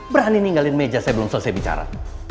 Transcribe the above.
berani ninggalin meja saya belum selesai bicara